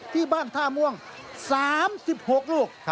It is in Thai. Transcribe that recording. ที่บ้านท่าม่วง๓๖ลูก